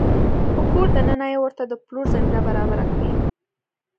په کور دننه يې ورته د پلور زمینه برابره کړې